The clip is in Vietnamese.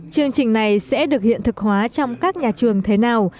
chương trình này sẽ được hiện thực hóa trong các nhà trường thế nào